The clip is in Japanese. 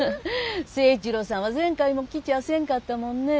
誠一郎さんは前回も来ちゃせんかったもんねぇ。